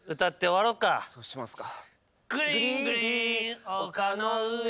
そうしますか。